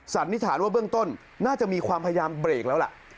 สันนิษฐานว่าเบื้องต้นน่าจะมีความพยายามเบรกแล้วล่ะ